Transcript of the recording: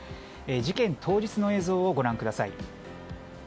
事件当日の映像をご覧ください。